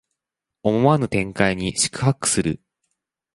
思わぬ展開に四苦八苦する